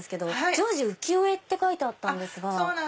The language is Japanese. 常時浮世絵って書いてあったんですが。